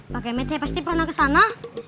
pak kemet pasti pernah kesana